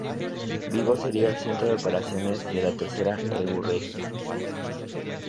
Vigo sería el centro de operaciones de la tercera eurorregión.